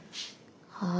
はい。